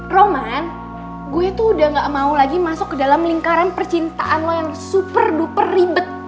roman gue itu udah gak mau lagi masuk ke dalam lingkaran percintaan lo yang super duper ribet